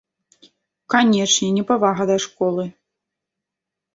Канечне, непавага да школы.